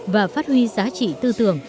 và phát huy giá trị tư tưởng